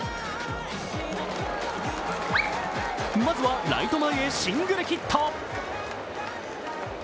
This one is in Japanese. まずはライト前へシングルヒット。